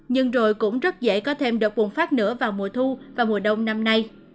nhưng rồi cũng rất dễ có thêm đợt bùng phát nữa vào mùa thu và mùa đông năm nay